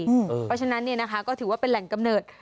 เพราะฉะนั้นก็ถือว่าเป็นแหล่งกำเนิด